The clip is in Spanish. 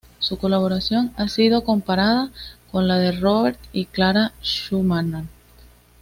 Su colaboración ha sido comparada con la de Robert y Clara Schumann.